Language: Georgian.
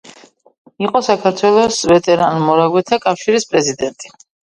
იყო საქართველოს ვეტერან მორაგბეთა კავშირის პრეზიდენტი.